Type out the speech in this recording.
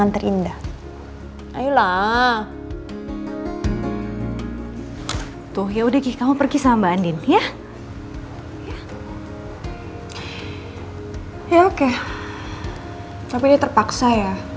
tapi ini terpaksa ya